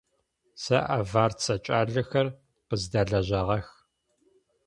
Сэ аварцэ кӏалэхэр къыздэлэжьагъэх.